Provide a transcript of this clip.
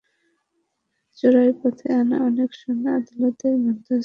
চোরাইপথে আনা অনেক সোনা আদালতের মধ্যস্থতায় শুল্কের বিনিময়ে মালিককে ফেরত দেওয়া হয়েছে।